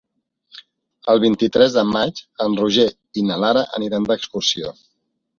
El vint-i-tres de maig en Roger i na Lara aniran d'excursió.